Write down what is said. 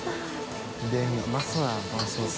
うまそうだなこのソース。